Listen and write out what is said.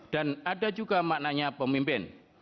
dan ada juga maknanya pemimpin